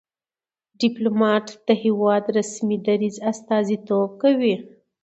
ډيپلومات د هېواد د رسمي دریځ استازیتوب کوي.